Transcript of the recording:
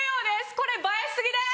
これ映え過ぎです！